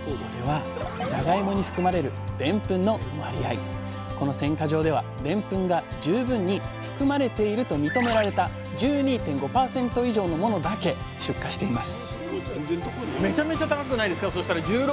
それはじゃがいもに含まれるこの選果場ではでんぷんが十分に含まれていると認められた１２．５％以上のものだけ出荷しています